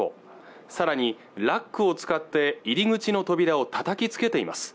さらにラックを使って入り口の扉を叩きつけています